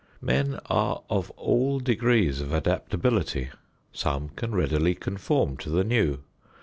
Men are of all degrees of adaptability. Some can readily conform to the new.